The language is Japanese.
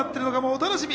お楽しみに。